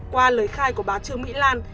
qua lời khai của bà trương mỹ lan